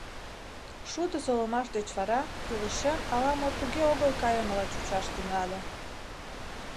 Шудо солымаш деч вара илышем ала-мо туге огыл кайымыла чучаш тӱҥале.